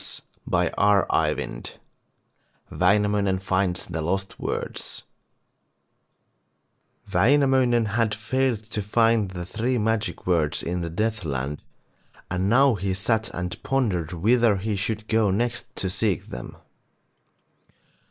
] WAINAMOINEN FINDS THE LOST WORDS Wainamoinen had failed to find the three magic words in the Deathland, and now he sat and pondered whither he should go next to seek them.